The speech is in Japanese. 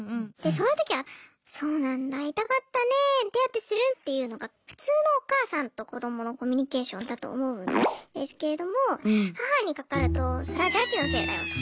そういうときは「そうなんだ痛かったね手当てする？」っていうのが普通のお母さんと子どものコミュニケーションだと思うんですけれども母にかかるとそれは邪気のせいだよと。